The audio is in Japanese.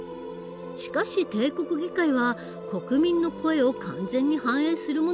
しかし帝国議会は国民の声を完全に反映するものではなかった。